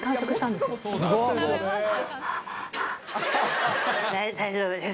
だ、大丈夫です。